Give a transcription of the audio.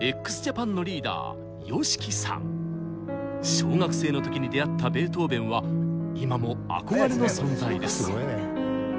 小学生の時に出会ったベートーベンは今も憧れの存在です。